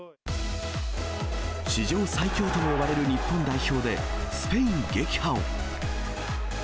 史上最強ともいわれる日本代表で、スペイン撃破を。